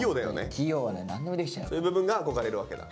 そういう部分が憧れるわけだ。